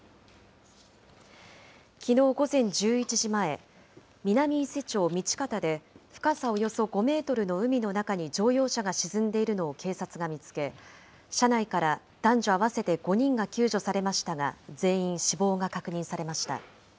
きのう午前１１時前、南伊勢町道方で、深さおよそ５メートルの海の中に乗用車が沈んでいるのを警察が見つけ、車内から男女合わせて５人が救助されましたが、全員死亡が確認されました。